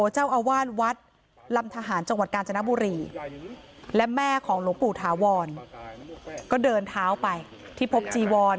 เจ้าอาวาสวัดลำทหารจังหวัดกาญจนบุรีและแม่ของหลวงปู่ถาวรก็เดินเท้าไปที่พบจีวร